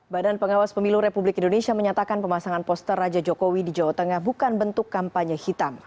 badan pengawas pemilu republik indonesia menyatakan pemasangan poster raja jokowi di jawa tengah bukan bentuk kampanye hitam